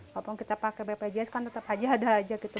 walaupun kita pakai bpjs kan tetap aja ada aja gitu